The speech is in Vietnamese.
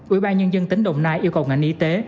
ủy ban nhân dân tỉnh đồng nai yêu cầu ngành y tế